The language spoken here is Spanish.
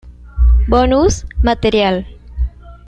Bonus material